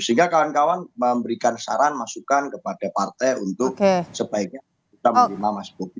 sehingga kawan kawan memberikan saran masukan kepada partai untuk sebaiknya kita menerima mas bukit